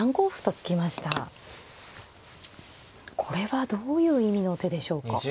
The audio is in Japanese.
これはどういう意味の手でしょうか。